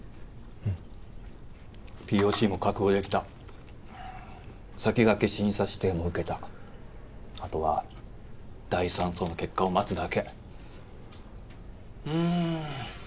うんＰＯＣも確保できた先駆け審査指定も受けたあとは第Ⅲ相の結果を待つだけうん